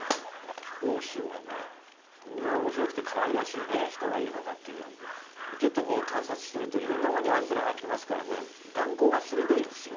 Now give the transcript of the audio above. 木久扇師匠はもう、こんなおもしろくて、かわいらしい人がいるのかなってぐらいで、ちょっと観察しているといろんなものにアンテナ張ってますからね、眼光が鋭いんですよ。